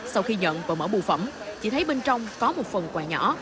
sau khi nhận và mở bu phẩm chị thấy bên trong có một phần quà nhỏ